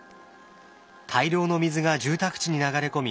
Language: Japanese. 大量の水が住宅地に流れ込み